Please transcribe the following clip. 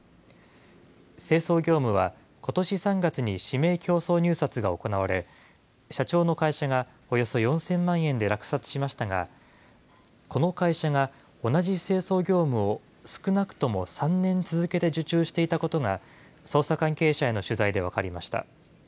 清掃業務は、ことし３月に指名競争入札が行われ、社長の会社がおよそ４０００万円で落札しましたが、この会社が、同じ清掃業務を少なくとも３年続けて受注していたことが、捜査関係者への取材で分かりました。